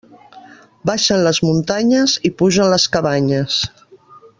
Baixen les muntanyes i pugen les cabanyes.